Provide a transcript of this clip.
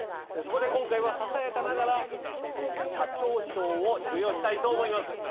そこで今回はささやかながら社長賞を授与したいと思います。